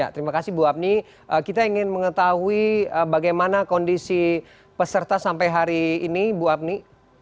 terima kasih bu apni kita ingin mengetahui bagaimana kondisi peserta sampai hari ini bu apni